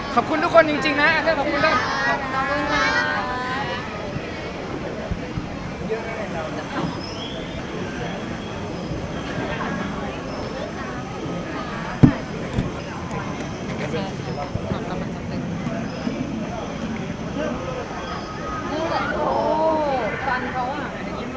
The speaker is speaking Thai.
ขอบคุณทุกคนจริงนะครับ